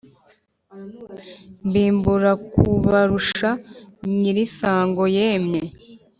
mbimburakubarusha nyirisango yemye.